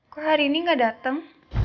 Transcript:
gue hari ini gak dateng